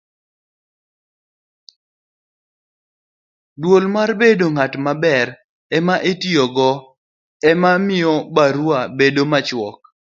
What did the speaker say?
duol mar bedo ng'at maber ema itiyogo ema miyo barua bedo machuok